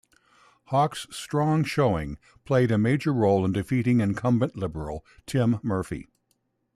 Hawkes's strong showing played a major role in defeating incumbent Liberal Tim Murphy.